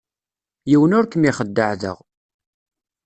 Yiwen ur kem-ixeddeε da.